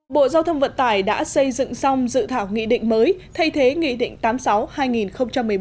bộ giao thông vận tải đã xây dựng xong dự thảo nghị định mới thay thế nghị định tám mươi sáu hai nghìn một mươi bốn